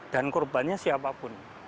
dan korbannya siapapun